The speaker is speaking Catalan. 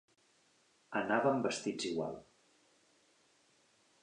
Anàvem vestits igual.